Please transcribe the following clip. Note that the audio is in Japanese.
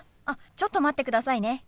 あっちょっと待ってくださいね。